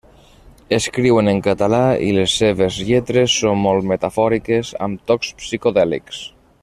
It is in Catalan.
Escriuen en català i les seves lletres són molt metafòriques amb tocs psicodèlics.